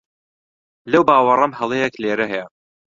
لەو باوەڕەم هەڵەیەک لێرە هەیە.